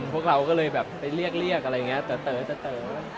พวกเราก็เลยไปเรียกอะไรเงี้ยเต๋อ